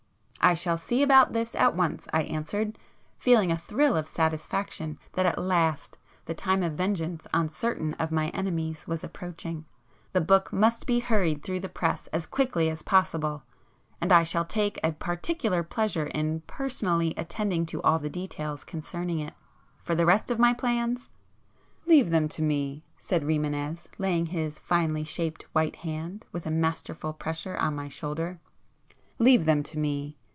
"I shall see about this at once"—I answered, feeling a thrill of satisfaction that at last the time of vengeance on certain of my enemies was approaching—"The book must be hurried through the press as quickly as possible,—and I shall take a particular pleasure in personally attending to all the details concerning it. For the rest of my plans,—" "Leave them to me!" said Rimânez laying his finely shaped white hand with a masterful pressure on my shoulder; "Leave them to me!